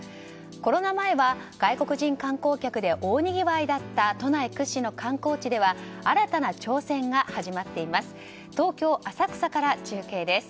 コロナ前は、外国人観光客で大にぎわいだった都内屈指の観光地では新たな挑戦が始まっています。